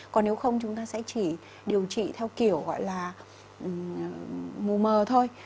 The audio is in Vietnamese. còn nếu không chúng ta sẽ chỉ điều trị theo kiểu gọi là mù mờ thôi